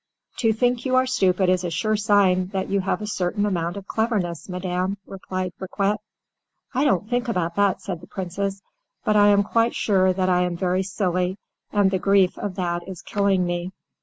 "To think you are stupid is a sure sign that you have a certain amount of cleverness, madam," replied Riquet. "I don't think about that," said the Princess, "but I am quite sure that I am very silly, and the grief of that is killing me."